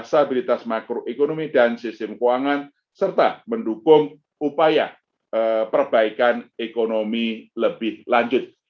stabilitas makroekonomi dan sistem keuangan serta mendukung upaya perbaikan ekonomi lebih lanjut